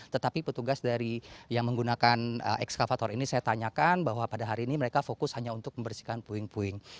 tetapi petugas dari yang menggunakan ekskavator ini saya tanyakan bahwa pada hari ini mereka fokus hanya untuk membersihkan puing puing